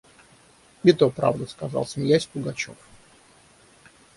– И то правда, – сказал, смеясь, Пугачев.